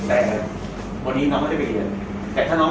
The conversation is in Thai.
แต่ถ้าน้องไปเรียนเนี่ยจะมีอะไรไหม